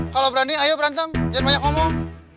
kalau berani ayo berantem jangan banyak ngomong